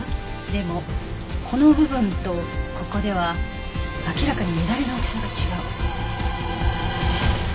でもこの部分とここでは明らかに乱れの大きさが違う。